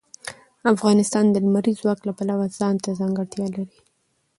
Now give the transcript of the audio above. افغانستان د لمریز ځواک د پلوه ځانته ځانګړتیا لري.